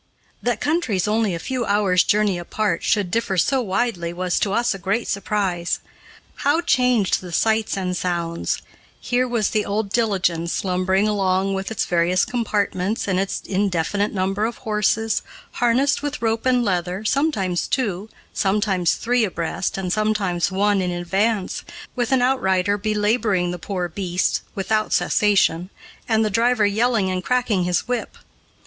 That countries only a few hours' journey apart should differ so widely was to us a great surprise. How changed the sights and sounds! Here was the old diligence, lumbering along with its various compartments and its indefinite number of horses, harnessed with rope and leather, sometimes two, sometimes three abreast, and sometimes one in advance, with an outrider belaboring the poor beasts without cessation, and the driver yelling and cracking his whip.